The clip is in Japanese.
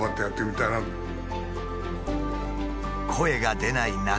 声が出ない中